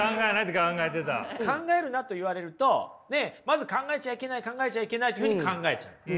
考えるなと言われるとまず考えちゃいけない考えちゃいけないっていうふうに考えちゃいます。